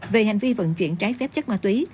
về hành vi vận chuyển trái phép chất ma túy